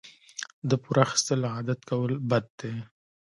د پور اخیستل عادت کول بد دي.